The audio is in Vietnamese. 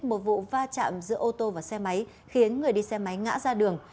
một vụ va chạm giữa ô tô và xe máy khiến người đi xe máy ngã ra đường